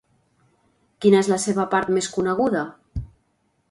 Quina és la seva part més coneguda?